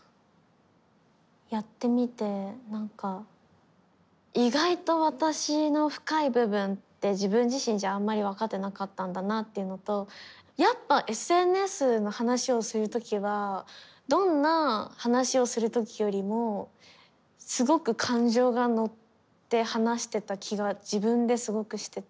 やってみてなんか意外と私の深い部分って自分自身じゃあんまり分かってなかったんだなっていうのとやっぱＳＮＳの話をする時はどんな話をする時よりもすごく感情が乗って話してた気が自分ですごくしてて。